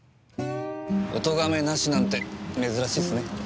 お咎めなしなんて珍しいっすね。